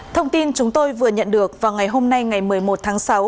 thông tin chúng tôi vừa nhận được vào ngày hôm nay ngày một mươi một tháng sáu